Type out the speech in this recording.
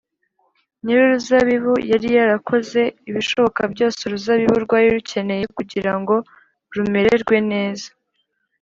nyir’uruzabibu yari yarakoze ibishoboka byose uruzabibu rwari rukeneye kugira ngo rumererwe neza